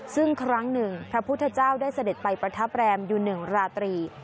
ซึ่งครั้งหนึ่งพระพุทธเจ้าได้เสด็จไปประทับแรมอยู่๑ราตรี